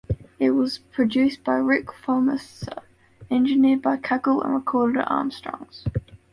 It was produced by Ric Formosa, engineered by Cockle and recorded at Armstrongs.